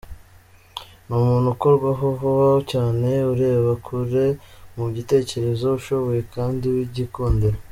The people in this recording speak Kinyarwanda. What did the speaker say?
Ni umuntu ukorwaho vuba cyane, ureba kure mu gutekereza, ushoboye kandi w’igikundiro.